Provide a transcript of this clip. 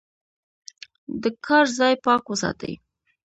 د کار ځای پاک وساتئ.